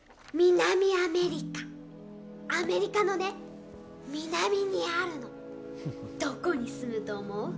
南アメリカ、アメリカのね、南にあるの、どこに住むと思う？